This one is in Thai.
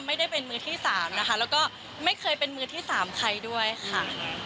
ไม่ได้เป็นมือที่สามนะคะแล้วก็ไม่เคยเป็นมือที่สามใครด้วยค่ะ